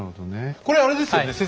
これあれですよね先生。